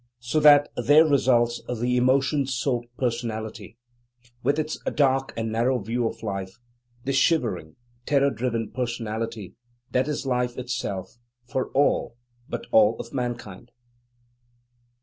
So that there results the emotion soaked personality, with its dark and narrow view of life: the shivering, terror driven personality that is life itself for all but all of mankind.